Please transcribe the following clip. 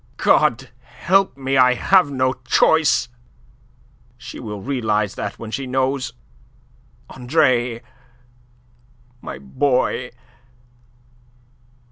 God help me, I have no choice. She will realize that when she knows. Andre, my boy..."